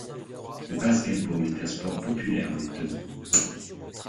Le basket-ball est un sport populaire en Lettonie.